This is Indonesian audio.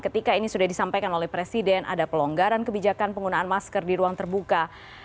ketika ini sudah disampaikan oleh presiden ada pelonggaran kebijakan penggunaan masker di ruang terbuka